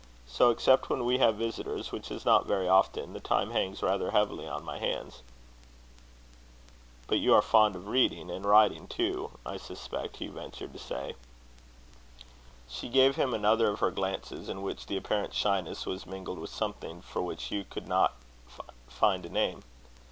So, except when we have visitors, which is not very often, the time hangs rather heavy on my hands." "But you are fond of reading and writing, too, I suspect;" Hugh ventured to say. She gave him another of her glances, in which the apparent shyness was mingled with something for which Hugh could not find a name.